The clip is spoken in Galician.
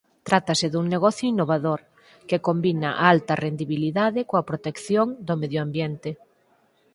Trátase dun negocio innovador, que combina a alta rendibilidade coa protección do medio ambiente.